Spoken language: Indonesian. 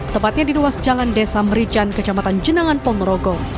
tepatnya di luas jalan desa merican kejambatan jenangan ponorogo